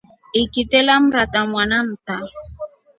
Ikite lammatra mwana mta.